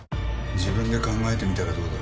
自分で考えてみたらどうだ。